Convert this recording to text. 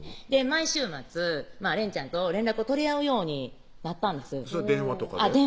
毎週末連ちゃんと連絡を取り合うようになったんです電話とかで？